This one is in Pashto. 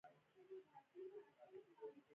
البته په دې جګړه کې نه، دا جګړه زما نه وه.